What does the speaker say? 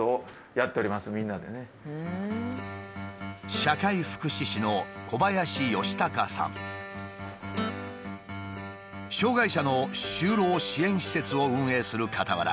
社会福祉士の障害者の就労支援施設を運営するかたわら